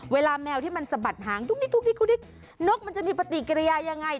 เวลาแมวที่มันสะบัดหางนกมันจะมีปฏิกิริยายังไง